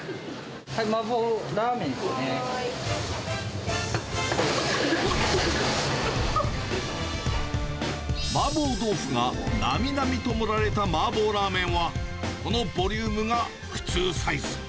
麻婆豆腐がなみなみと盛られたマーボーラーメンは、このボリュームが普通サイズ。